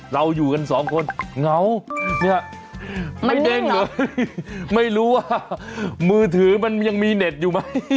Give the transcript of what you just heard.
เราอยู่กันสองคนเหงาเนี่ยไม่เด้งเลยไม่รู้ว่ามือถือมันยังมีเน็ตอยู่ไหม